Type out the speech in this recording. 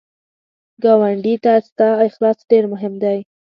ګاونډي ته ستا اخلاص ډېر مهم دی